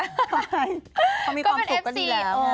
ใช่เขามีความสุขก็ดีแล้ว